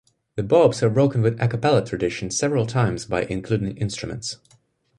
The Bobs have broken with a cappella tradition several times by including instruments.